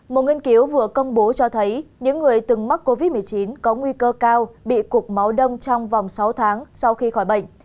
một nghiên cứu vừa công bố cho thấy những người từng mắc covid một mươi chín có nguy cơ cao bị cục máu đông trong vòng sáu tháng sau khi khỏi bệnh